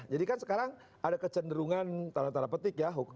jadi kan sekarang ada kecenderungan tanda tanda petik ya